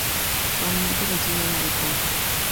Actualmente reside en Alicante.